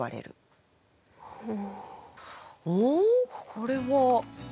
これは。